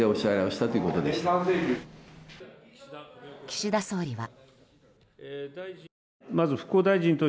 岸田総理は。